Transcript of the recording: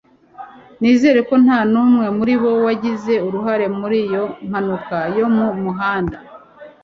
nizere ko nta n'umwe muri bo wagize uruhare muri iyo mpanuka yo mu muhanda